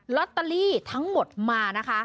ลอตเตอรี่ทั้งหมดมานะคะ